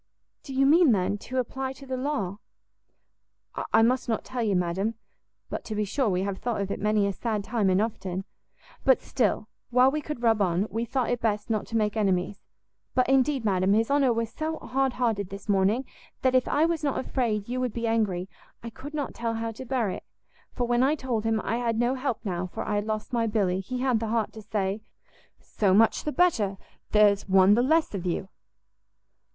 "Do you mean, then, to apply to the law?" "I must not tell you, madam; but to be sure we have thought of it many a sad time and often; but still, while we could rub on, we thought it best not to make enemies: but, indeed, madam, his honour was so hardhearted this morning, that if I was not afraid you would be angry, I could not tell how to bear it; for when I told him I had no help now, for I had lost my Billy, he had the heart to say, 'So much the better, there's one the less of you.'"